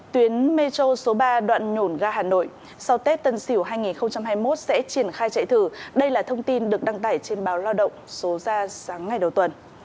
tuyến metro số ba đoạn nhổn ga hà nội sau tết tân sỉu hai nghìn hai mươi một sẽ triển khai chạy thử đây là thông tin được đăng tải trên báo lao động số ra sáng ngày đầu tuần